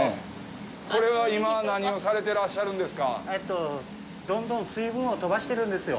これは今、何をされてらっしゃるんですか。